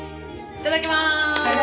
いただきます！